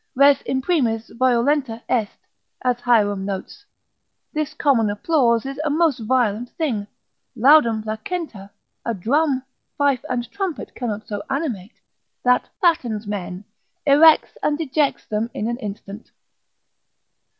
Res imprimis violenta est, as Hierom notes, this common applause is a most violent thing, laudum placenta, a drum, fife, and trumpet cannot so animate; that fattens men, erects and dejects them in an instant.